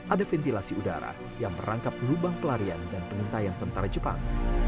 ada ventilasi udara yang merangkap lubang pelarian dan pengentaian tentara jepang